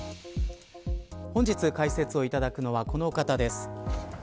本日、解説をいただくのはこの方です。